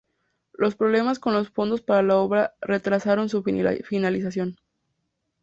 Los problemas con los fondos para la obra retrasaron su finalización.